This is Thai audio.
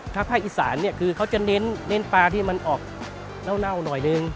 ถ้าภาคอีสานเนี่ยคือเขาจะเน้นปลาที่มันออกเน่าหน่อยนึง